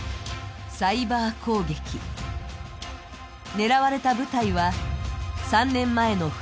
狙われた部隊は３年前の冬、